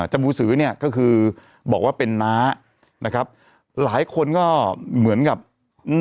จบูสือเนี่ยก็คือบอกว่าเป็นน้านะครับหลายคนก็เหมือนกับอืม